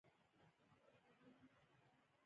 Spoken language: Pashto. دا کار څو واره تکرار کړئ.